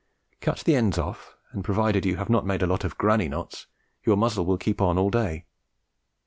Cut the ends off, and, provided you have not made a lot of "granny" knots, your muzzle will keep on all day.